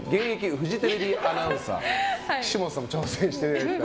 フジテレビアナウンサーの岸本さんにも挑戦していただきます。